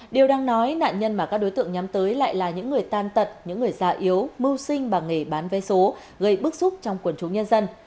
điều đang nói nạn nhân mà các đối tượng nhắm tới lại là những người tan tật những người già yếu mưu sinh bằng nghề bán vé số gây bức xúc trong quần chúng nhân dân